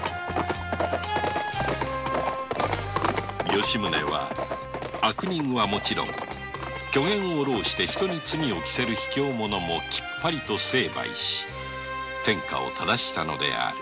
吉宗は悪人はもちろんウソをついて人に罪を着せるひきょう者もキッパリ成敗し天下を正したのである